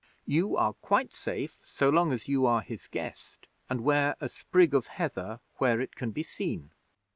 You are quite safe so long as you are his guest, and wear a sprig of heather where it can be seen.